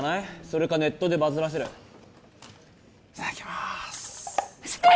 それかネットでバズらせるいただきます素敵！